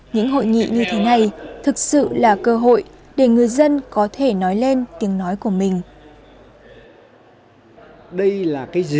những hội nghị như thế này thực sự là một hội nghị đáng đáng đáng đáng